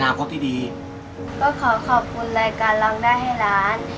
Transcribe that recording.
และก็ขอขอบคุณละการลองได้ให้ร้าน